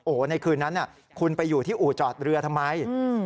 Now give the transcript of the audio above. โอ้โหในคืนนั้นคุณไปอยู่ที่อู่จอดเรือทำไม